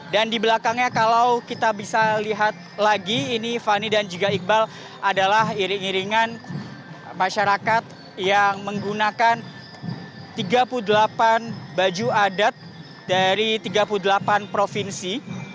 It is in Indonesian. dan di belakangnya kalau kita bisa lihat lagi ini fanny dan juga iqbal adalah iring iringan masyarakat yang menggunakan tiga puluh delapan baju adat dari tiga puluh delapan provinsi